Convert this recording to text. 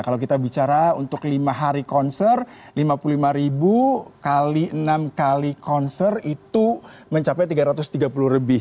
kalau kita bicara untuk lima hari konser lima puluh lima enam kali konser itu mencapai tiga ratus tiga puluh lebih